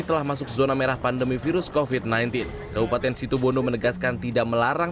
telah masuk zona merah pandemi virus kofit sembilan belas kabupaten situbondo menegaskan tidak melarang